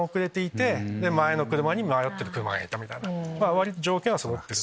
割と条件はそろってる。